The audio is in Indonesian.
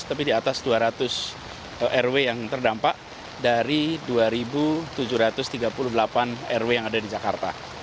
tapi di atas dua ratus rw yang terdampak dari dua tujuh ratus tiga puluh delapan rw yang ada di jakarta